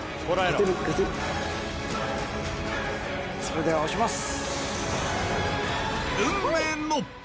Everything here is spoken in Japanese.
それでは押します！